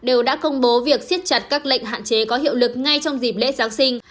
đều đã công bố việc siết chặt các lệnh hạn chế có hiệu lực ngay trong dịp lễ giáng sinh